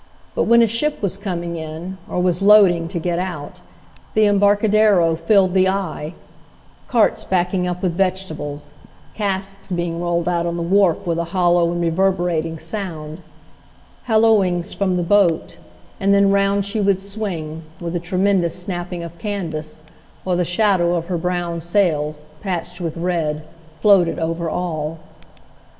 But when a ship was coming in, or was loading to get out, the Embarcadero filled the eye, carts backing up with vegetables; casks being rolled out on the wharf with a hollow and reverberating sound; hallooings from the boat; and then round she would swing, with a tremendous snapping of canvas, while the shadow of her brown sails, patched with red, floated over all.